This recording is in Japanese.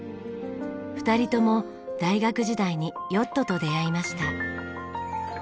２人とも大学時代にヨットと出会いました。